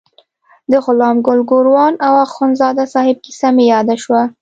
د غلام ګل ګوروان او اخندزاده صاحب کیسه مې یاده شوه.